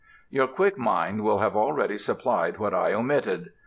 Your quick mind will have already supplied what I omitted.